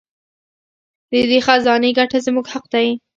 د دې خزانې ګټه زموږ حق دی.